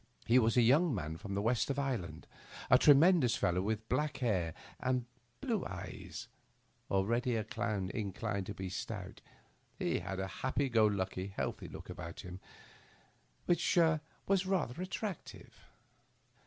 He was a young man from the west of Ireland — a tremendous fellow, with black hair and blue eyes, already inclined to be stout; he had a happy go lucky, healthy look about him which was rather attractive.